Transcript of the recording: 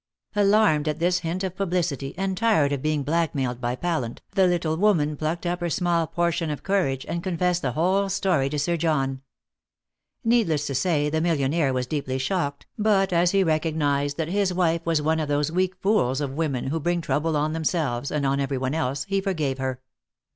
Alarmed at this hint of publicity, and tired of being blackmailed by Pallant, the little woman plucked up her small portion of courage, and confessed the whole story to Sir John. Needless to say, the millionaire was deeply shocked, but as he recognised that his wife was one of those weak fools of women who bring trouble on themselves and on everyone else, he forgave her.